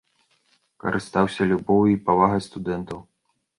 Карыстаўся любоўю і павагай студэнтаў.